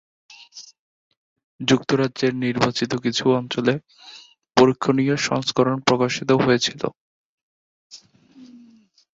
যুক্তরাজ্যের নির্বাচিত কিছু অঞ্চলে পরিক্ষণীয় সংস্করণ প্রকাশিত হয়েছিল।